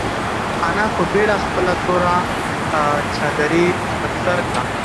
انا په بېړه خپله توره چادري پر سر کړه.